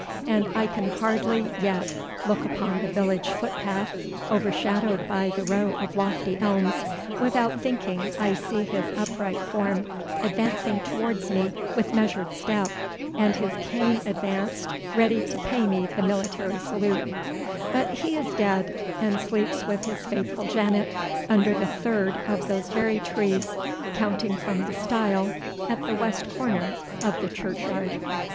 And I can hardly yet look upon the village footpath, overshadowed by the row of lofty elms, without thinking I see his upright form advancing towards me with measured step, and his cane advanced, ready to pay me the military salute but he is dead, and sleeps with his faithful Janet, under the third of those very trees, counting from the stile at the west corner of the churchyard.